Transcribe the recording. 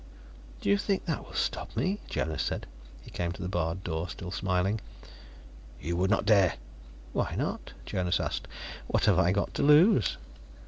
"Do you think that will stop me?" Jonas said. He came to the barred door, still smiling. "You would not dare " "Why not?" Jonas asked. "What have I got to lose?"